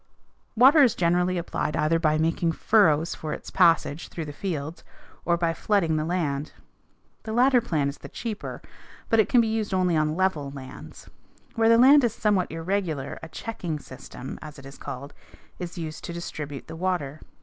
Water is generally applied either by making furrows for its passage through the fields or by flooding the land. The latter plan is the cheaper, but it can be used only on level lands. Where the land is somewhat irregular a checking system, as it is called, is used to distribute the water.